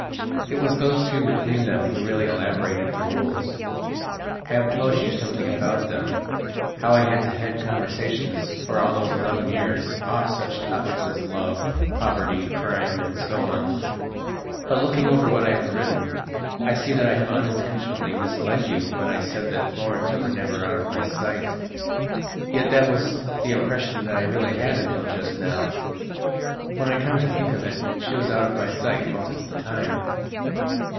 It was those two between them who really elaborated the rules. I have told you something about themhow I had to head conversations, for all those eleven years, off such topics as love, poverty, crime, and so on. But, looking over what I have written, I see that I have unintentionally misled you when I said that Florence was never out of my sight. Yet that was the impression that I really had until just now. When I come to think of it she was out of my sight most of the time.